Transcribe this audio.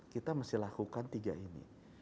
kita mesti lakukan tiga ini